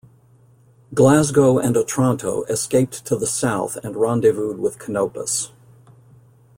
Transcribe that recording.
"Glasgow" and "Otranto" escaped to the south and rendezvoused with "Canopus".